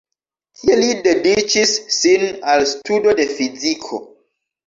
Tie li dediĉis sin al studo de fiziko.